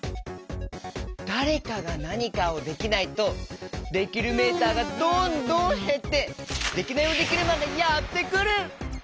だれかがなにかをできないとできるメーターがどんどんへってデキナイヲデキルマンがやってくる！